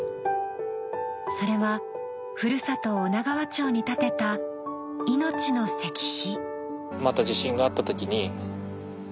それは古里女川町に建てた「いのちの石碑」。